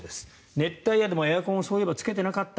熱帯夜でもエアコンをそういえばつけていなかった。